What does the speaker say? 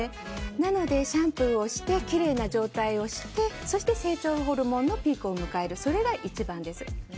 なので、シャンプーをしてきれいな状態にしてそして、成長ホルモンのピークを迎えるのが一番です。